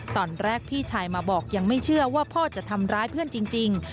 ตอนแรกพี่ชายมาบอกยังไม่เชื่อว่าพ่อจะทำร้ายเพื่อนจริง